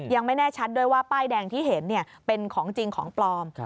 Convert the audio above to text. ยังไม่แน่ชัดด้วยว่าป้ายแดงที่เห็นเป็นของจริงของปลอม